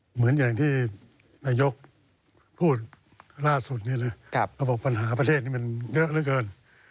เหมือนอย่างที่นายกพูดล่าสุดนี้นะระบบปัญหาประเทศนี้มันเยอะเหลือเกิน